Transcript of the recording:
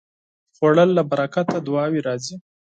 خوړل له برکته دعاوې راځي